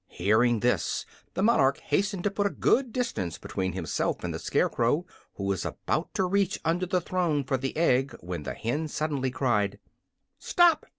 Hearing this, the monarch hastened to put a good distance between himself and the Scarecrow, who was about to reach under the throne for the egg when the hen suddenly cried: "Stop!"